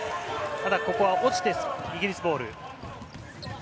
ここは落ちてイギリスボール。